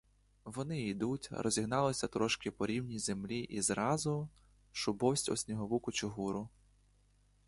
Вони йдуть, розігналися трошки по рівній землі і зразу — шубовсть у снігову кучугуру.